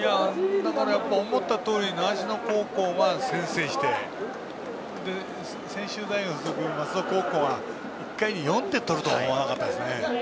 思ったとおり習志野高校が先制して専修大学付属松戸高校は１回に４点取るとは思わなかったですね。